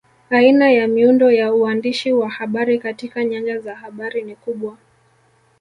Aina ya miundo ya uandishi wa habari katika nyanja ya habari ni kubwa